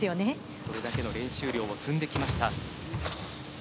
それだけの練習量を積んできました。